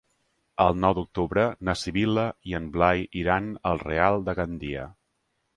El nou d'octubre na Sibil·la i en Blai iran al Real de Gandia.